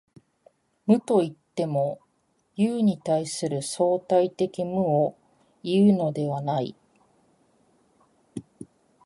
無といっても、有に対する相対的無をいうのではない。